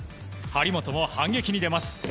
張本も反撃に出ます。